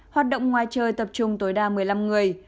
hoạt động ngoài trời tập trung tối đa một mươi năm người